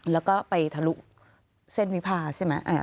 แล้วก็ไปทะลุเส้นวิพาใช่ไหม